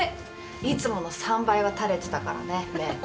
いつもの３倍は垂れてたからね目。